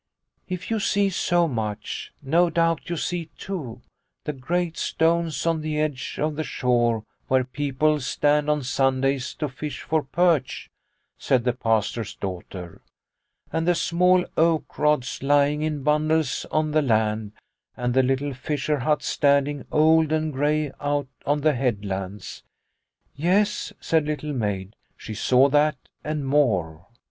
" If you see so much, no doubt you see, too, the great stones on the edge of the shore where people stand on Sundays to fish for perch," said the Pastor's daughter, " and the small oak rods lying in bundles on the land, and the little fisher huts standing old and grey out on the headlands." " Yes," said Little Maid ; she saw that and more.